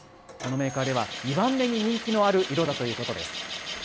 このメーカーでは、２番目に人気のある色だということです。